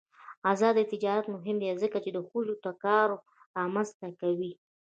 آزاد تجارت مهم دی ځکه چې ښځو ته کار رامنځته کوي.